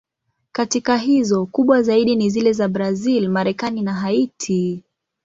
Katika hizo, kubwa zaidi ni zile za Brazil, Marekani na Haiti.